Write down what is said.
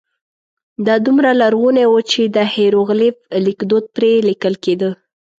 دا دومره لرغونی و چې د هېروغلیف لیکدود پرې لیکل کېده.